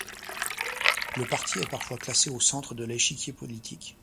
Le parti est parfois classé au centre de l'échiquier politique.